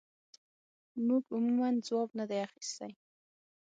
موږ عموماً ځواب نه دی اخیستی.